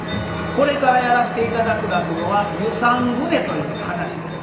これからやらして頂く落語は「遊山船」という噺です。